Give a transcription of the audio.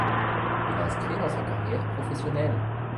Il inscrit dans sa carrière professionnelle.